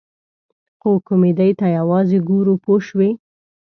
خو کمیډۍ ته یوازې ګورو پوه شوې!.